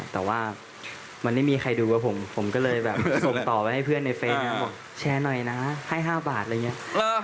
แต่ว่ามันไม่มีใครดูว่าผมผมก็เลยแบบส่งต่อไปให้เพื่อนในเฟซนะบอกแชร์หน่อยนะให้๕บาทอะไรอย่างนี้